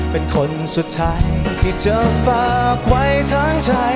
เป็นคนสุดท้ายที่เธอฝากไว้ทั้งใจ